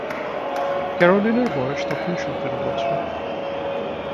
ক্যারোলিনের বয়স তখন সতেরো বছর।